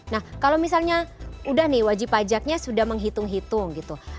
nah kalau misalnya udah nih wajib pajaknya sudah menghitung hitung gitu